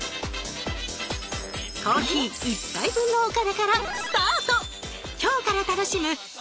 コーヒー１杯分のお金からスタート！